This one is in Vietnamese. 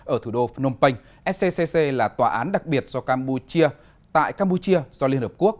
ở thủ đô phnom penh scccc là tòa án đặc biệt do campuchia tại campuchia do liên hợp quốc